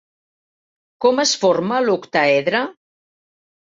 Com es forma l'octaedre?